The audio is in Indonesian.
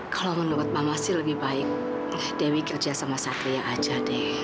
kalau menurut mama sih lebih baik dewi kerja sama satria aja deh